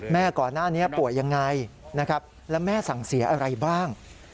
แม่ก่อนหน้านี้ป่วยอย่างไรและแม่สั่งเสียอะไรบ้าง